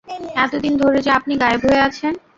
এতো দিন ধরে যে আপনি গায়েব হয়ে আছেন।